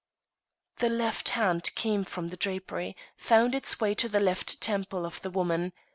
The left hand came from the drapery; found its way to the left temple of the woman.